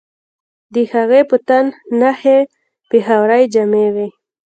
د هغې په تن نخي پېښورۍ جامې وې